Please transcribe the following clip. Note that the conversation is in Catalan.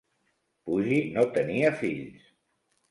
Pujie no tenia fills.